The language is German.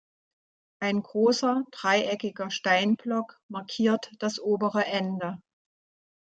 Ein großer dreieckiger Steinblock markiert das obere Ende.